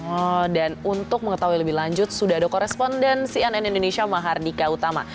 oh dan untuk mengetahui lebih lanjut sudah ada koresponden cnn indonesia mahardika utama